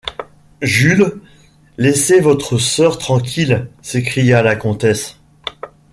Jules, laissez votre sœur tranquille, s’écria la comtesse.